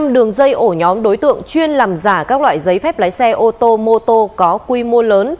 năm đường dây ổ nhóm đối tượng chuyên làm giả các loại giấy phép lái xe ô tô mô tô có quy mô lớn